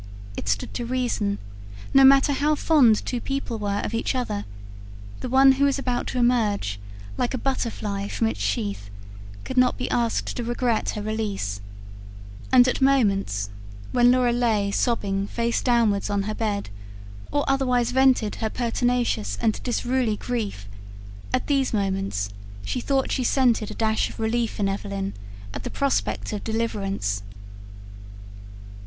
It stood to reason: no matter how fond two people were of each other, the one who was about to emerge, like a butterfly from its sheath, could not be asked to regret her release; and, at moments when Laura lay sobbing face downwards on her bed, or otherwise vented her pertinacious and disruly grief at these moments she thought she scented a dash of relief in Evelyn, at the prospect of deliverance.